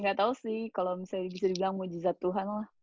nggak tahu sih kalau bisa dibilang mujizat tuhan lah